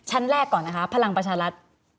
แรกก่อนนะคะพลังประชารัฐ